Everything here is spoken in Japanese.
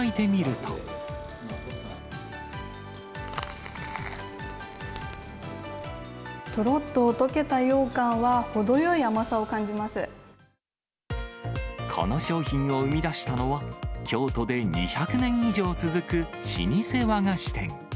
とろっと溶けたようかんは程この商品を生み出したのは、京都で２００年以上続く老舗和菓子店。